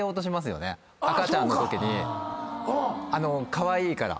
カワイイから。